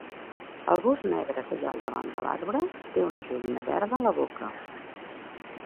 El gos negre que hi ha davant de l'arbre té una joguina verda a la boca